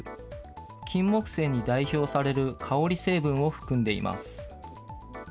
キンモクセイに代表される香り成分を含んでいます。